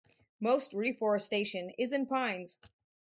Most reforestation is in pines.